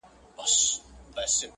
خریدار چي سوم د اوښکو دُر دانه سوم.